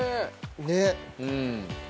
ねっ。